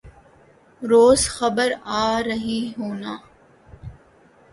روز خبر آرہی ہونا